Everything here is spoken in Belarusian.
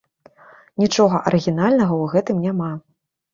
Нічога арыгінальнага ў гэтым няма.